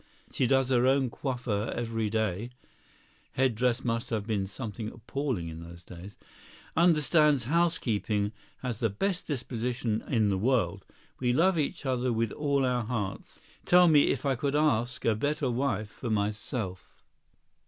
She does her own coiffure every day [head dress must have been something appalling in those days]; understands housekeeping; has the best disposition in the world. We love each other with all our hearts. Tell me if I could ask a better wife for myself?"